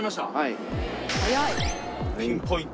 ピンポイント？